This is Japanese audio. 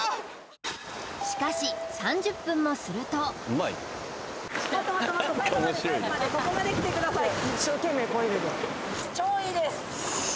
しかし３０分もするとここまで来てください